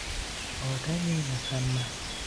آدمی مصمم